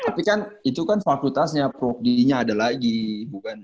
iya tapi kan itu kan fakultasnya progdi nya ada lagi bukan